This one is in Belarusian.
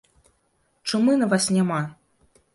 Чумы на вас няма!